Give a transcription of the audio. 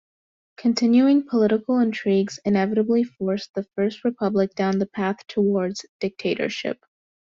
Continuing political intrigues inevitably forced the first Republic down the path towards dictatorship.